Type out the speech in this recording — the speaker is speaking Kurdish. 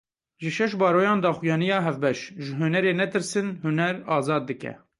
Ji şeş baroyan daxuyaniya hevbeş Ji hunerê netirsin, huner azad dike